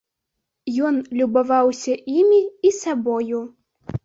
Ён любаваўся імі і сабою.